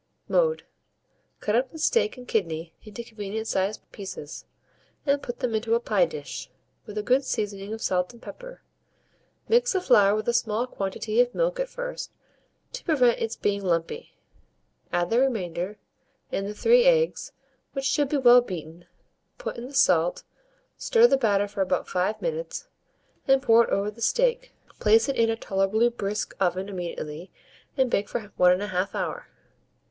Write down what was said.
Mode. Cut up the steak and kidney into convenient sized pieces, and put them into a pie dish, with a good seasoning of salt and pepper; mix the flour with a small quantity of milk at first, to prevent its being lumpy; add the remainder, and the 3 eggs, which should be well beaten; put in the salt, stir the batter for about 5 minutes, and pour it over the steak. Place it in a tolerably brisk oven immediately, and bake for 1 1/2 hour.